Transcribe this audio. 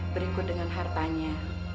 berikut dengan hartanya